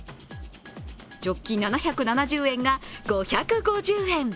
ジョッキ７７０円が５５０円。